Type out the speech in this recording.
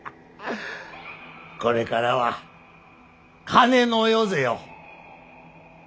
これからは金の世ぜよ。